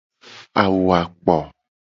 Awu a kpo.